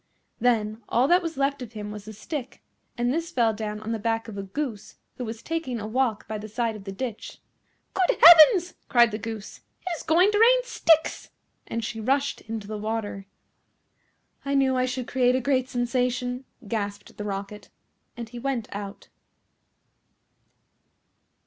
Then all that was left of him was the stick, and this fell down on the back of a Goose who was taking a walk by the side of the ditch. "Good heavens!" cried the Goose. "It is going to rain sticks;" and she rushed into the water. "I knew I should create a great sensation," gasped the Rocket, and he went out.